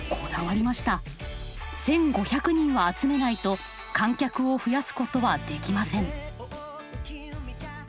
１，５００人は集めないと観客を増やすことはできません。